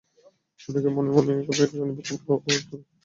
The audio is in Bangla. অনেকেই মনে করেন ইরিনা বোকোভা সম্ভবত প্রতিযোগিতায় অন্যদের চেয়ে এগিয়ে আছেন।